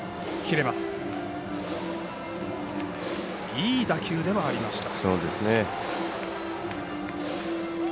いい打球ではありました。